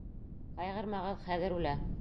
Ҡайғырмағыҙ, хәҙер үлә.